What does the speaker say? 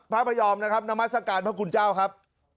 พระพยอมนะครับนามัศกาลพระคุณเจ้าครับ